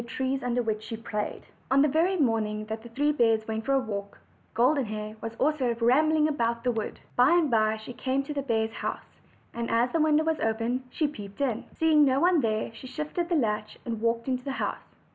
trees under which she played. sis OLD, OLD FAIRT TALES. On the very morning that the three bears went for a walk, Golden Hair also was rambling about the wood. By and by she came to the bears' house, and as the window was open, she peeped in. Seeing no one there she lifted the latch and walked into the house.